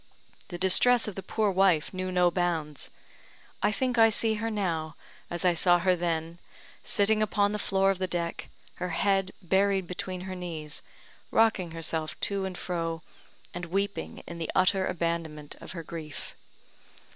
The distress of the poor wife knew no bounds. I think I see her now, as I saw her then, sitting upon the floor of the deck, her head buried between her knees, rocking herself to and fro, and weeping in the utter abandonment of her grief.